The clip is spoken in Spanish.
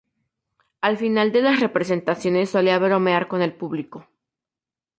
Al final de las representaciones solía bromear con el público.